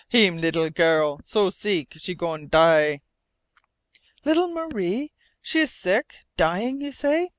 "Heem lee'l girl so seek she goin' die." "Little Marie? She is sick dying, you say?"